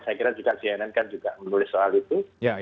saya kira juga cnn kan juga menulis soal itu